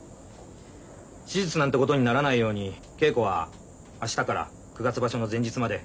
手術なんてことにならないように稽古は明日から九月場所の前日まで一切禁止。